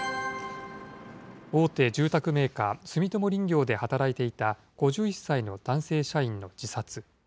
大手住宅メーカー、住友林業で働いていた５１歳の男性社員の自殺。